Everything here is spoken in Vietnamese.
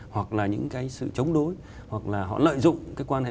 hoặc là những cái sự chống đối hoặc là họ lợi dụng cái quan hệ